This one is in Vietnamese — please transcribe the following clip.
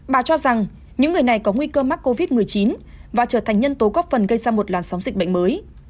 bà cho rằng những người này có nguy cơ mắc covid một mươi chín và trở thành nhân tố góp phần gây ra một làn sóng dịch bệnh mới